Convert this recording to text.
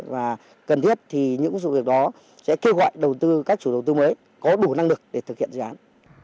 và cần thiết thì những sự việc đó sẽ kêu gọi các chủ đầu tư mới có đủ năng lực để thực hiện dự án